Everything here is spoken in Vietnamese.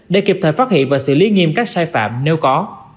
để kịp thời phát hiện và xử lý nghiêm các sai phạm nếu có